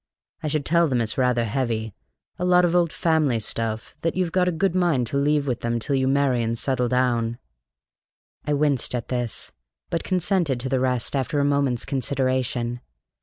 I should tell them it's rather heavy a lot of old family stuff that you've a good mind to leave with them till you marry and settle down." I winced at this, but consented to the rest after a moment's consideration.